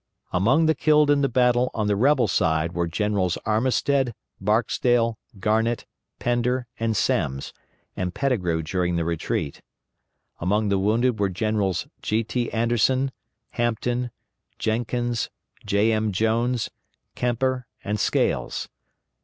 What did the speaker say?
Among the killed in the battle on the rebel side were Generals Armistead, Barksdale, Garnett, Pender, and Semmes; and Pettigrew during the retreat. Among the wounded were Generals G. T. Anderson, Hampton, Jenkins, J. M. Jones, Kemper, and Scales.